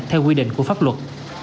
theo quy định của pháp luật